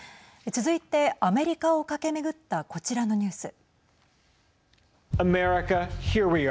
続いて、アメリカを駆け巡ったこちらのニュース。